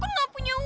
kok gak punya uang